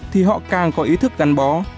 thì họ càng có ý thức gắn bó